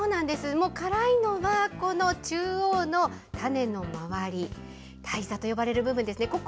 もう辛いのがこの中央の種の周り、胎座と呼ばれる部分ですね。